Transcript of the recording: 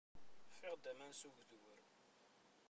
Ffiɣ-d aman s ugdur.